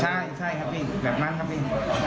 ใช่ใช่ครับพี่แบบนั้นครับพี่